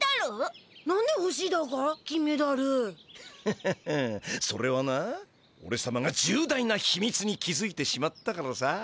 フフフそれはなおれさまが重大なひみつに気づいてしまったからさ。